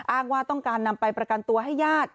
อ้างว่าต้องการนำไปประกันตัวให้ญาติ